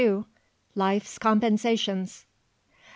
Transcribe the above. LIFE'S COMPENSATIONS.